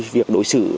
việc đối xử